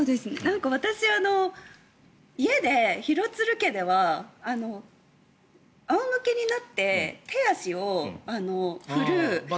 私は家で廣津留家では仰向けになって手足を振る。